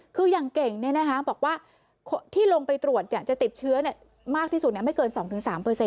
คืออย่างเก่งบอกว่าที่ลงไปตรวจจะติดเชื้อมากที่สุดไม่เกิน๒๓